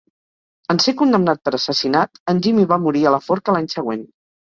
En ser condemnat per assassinat, en Jimmy va morir a la forca l'any següent.